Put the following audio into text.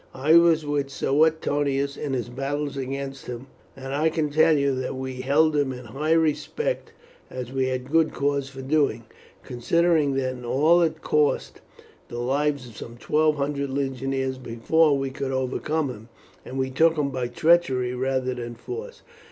I was with Suetonius in his battles against him, and I can tell you that we held him in high respect, as we had good cause for doing, considering that in all it cost the lives of some twelve hundred legionaries before we could overcome him, and we took him by treachery rather than force."